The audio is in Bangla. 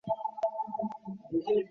পিতা মোহাম্মদ শরিয়তুল্লাহ।